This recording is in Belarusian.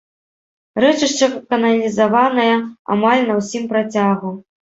Рэчышча каналізаванае амаль на ўсім працягу.